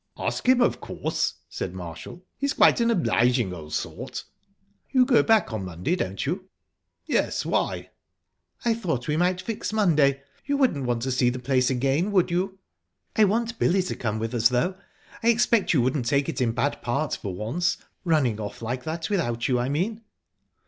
"Ask him, of course," said Marshall. "He's quite an obliging old sort." "You go back on Monday, don't you?" "Yes. Why?" "I thought we might fix Monday. You wouldn't want to see the place again, would you?" "I want Billy to come with us, though. I expect you wouldn't take it in bad part for once running off like that without you, I mean?"